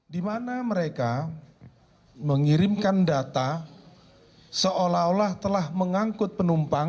dimana mereka mengirimkan data seolah olah telah mengangkut penumpang